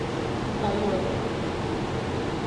Baiona.